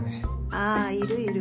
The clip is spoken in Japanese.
ああいるいる。